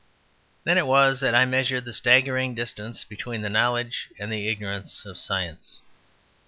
Then it was that I measured the staggering distance between the knowledge and the ignorance of science.